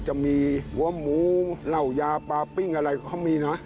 จะมีหัวหมูเหล้ายาปลาปิ้งอะไรเขามีนะ